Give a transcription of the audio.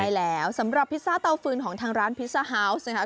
ใช่แล้วสำหรับพิซซ่าเตาฟืนของทางร้านพิซซ่าฮาวส์นะคะ